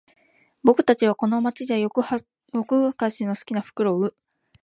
僕たちはこの街じゃ夜ふかしの好きなフクロウ